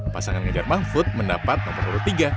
pasangan ganjar mahfud mendapat nomor urut tiga